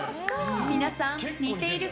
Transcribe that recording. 皆さん似ているか？